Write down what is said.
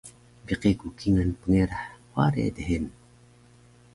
biqi ku kingal pngerah ware dhenu